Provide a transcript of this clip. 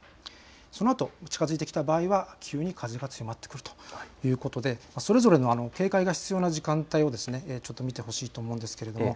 そのあと近づいてきた場合は急に風が強まってくるということでそれぞれの警戒が必要な時間帯を見てほしいと思います。